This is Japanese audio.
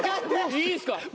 いいんすか？